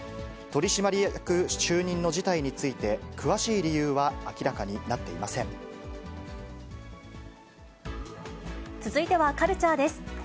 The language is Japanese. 取締役就任の辞退について、詳しい理由は明らかになっていま続いてはカルチャーです。